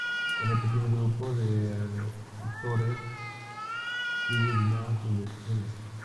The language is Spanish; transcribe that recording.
cada pequeño grupo de actores sigue el guión que les une.